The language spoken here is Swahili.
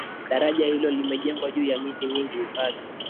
daraja hilo limejengwa juu ya miti kwenye hifadhi